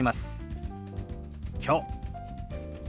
「きょう」。